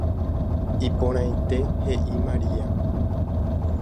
Iporãite heʼi María.